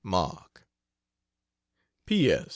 MARK. P. S.